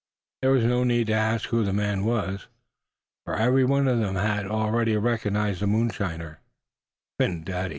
There was no need to ask who the man was, for every one of them had already recognized the moonshiner, Phin Dady!